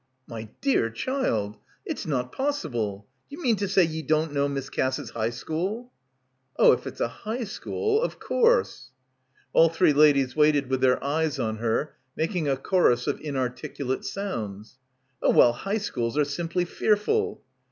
"My dear child! It's not possible! D'ye mean to say ye don't know Miss Cass's high school ?" "Oh, if it's a high school, of course" All three ladies waited, with their eyes on her, making a chorus of inarticulate sounds. "Oh well, high schools are simply fearful."